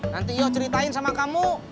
nanti you ceritain sama kamu